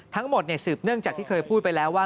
ทั้งหมดสืบเนื่องจากที่เคยพูดไปแล้วว่า